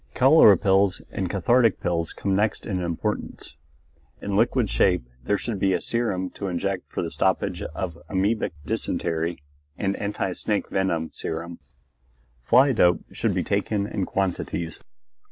Cholera pills and cathartic pills come next in importance. In liquid shape there should be serum to inject for the stoppage of amoebic dysentery, and anti snake venom serum. Fly dope should be taken in quantities.